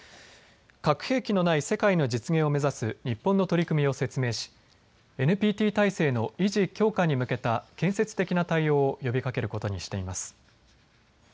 核兵器のない世界の実現を目指す日本の取り組みを説明しＮＰＴ体制の維持・強化に向けた建設的な対応を呼びかけることにしています。